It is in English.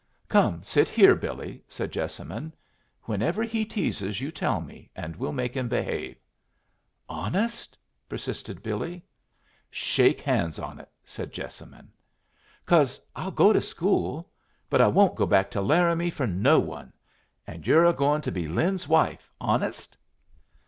"Come sit here, Billy," said Jessamine. "Whenever he teases, you tell me, and we'll make him behave." "Honest?" persisted Billy. "Shake hands on it," said Jessamine. "Cause I'll go to school. But I won't go back to Laramie for no one. And you're a going to be Lin's wife, honest?"